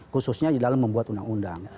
khususnya di dalam membuat undang undang